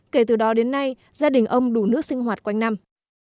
kể từ đó đến nay gia đình ông đủ nước sinh hoạt quanh năm